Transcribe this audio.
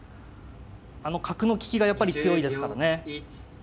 あの角の利きがやっぱり強いですからね。